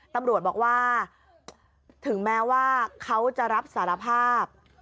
ตำรวจบอกว่าถึงแม้ว่าเขาจะรับสารภาพ